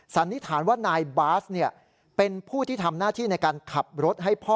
สันนิษฐานว่านายบาสเป็นผู้ที่ทำหน้าที่ในการขับรถให้พ่อ